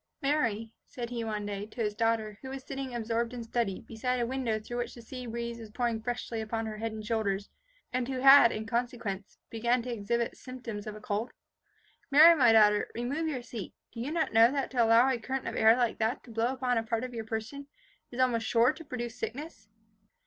"Mary," said he one day, to his daughter, who was sitting absorbed in study, beside a window through which the sea breeze was pouring freshly upon her head and shoulders, and who had, in consequence, began to exhibit symptoms of a cold, "Mary, my daughter, remove your seat. Do you not know that to allow a current of air like that to blow upon a part of your person, is almost sure to produce sickness?"